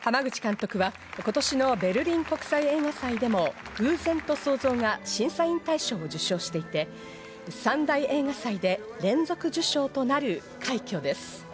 濱口監督は今年のベルリン国際映画祭でも『偶然と想像』が審査員大賞を受賞していて三大映画祭で連続受賞となる快挙です。